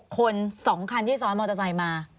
คน๒คันที่ซ้อนมอเตอร์ไซค์มา